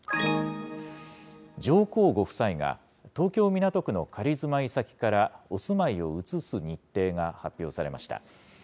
上皇ご夫妻が東京・港区の仮住まい先からお住まいを移す日程が発表されました。